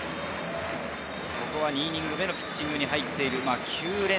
２イニング目のピッチングに入っている九里。